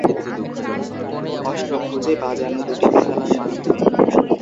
অষ্টভুজে বাজানো দুটি বেহালার মাধ্যমে।